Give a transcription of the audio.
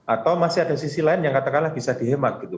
atau masih ada sisi lain yang katakanlah bisa dihemat gitu